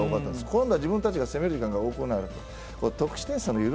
今度は自分たちが攻める時間が多くなる。